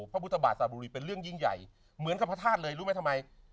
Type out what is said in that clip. พระพุทธบาทสระบุรีเป็นเรื่องยิ่งใหญ่เหมือนกับพระธาตุเลยรู้ไหมทำไม